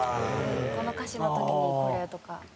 この歌詞の時にこれとか。